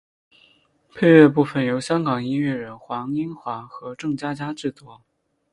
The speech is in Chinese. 配乐部分由香港音乐人黄英华和郑嘉嘉制作。